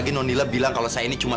kita bagi dua